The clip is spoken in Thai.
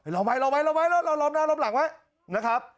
ล้อมไว้ล้อมไว้ล้อมไว้ล้อมหน้าล้อมหลังไว้นะครับ